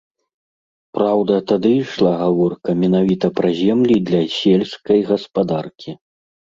Праўда, тады ішла гаворка менавіта пра землі для сельскай гаспадаркі.